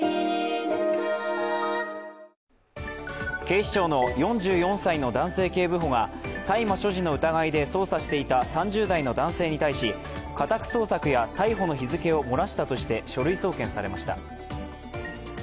警視庁の４４歳の男性警部補が大麻所持の疑いで捜査していた３０代の男性に対し、家宅捜索や逮捕の日付を漏らしたとして書類送検されました。